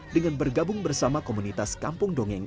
dengan bergabung bersama komunitas kampung dongeng